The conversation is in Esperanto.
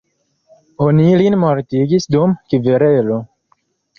Oni lin mortigis dum kverelo.